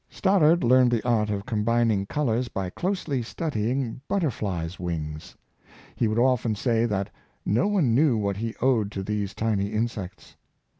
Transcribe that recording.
'' Stothard learned the art of combining colors by closely studying butterflies' wings. He would often say that no one knew what he owed to these tiny insects.